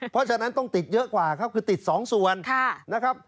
เพราะฉะนั้นต้องติดเยอะกว่าครับคือติด๒ส่วนนะครับ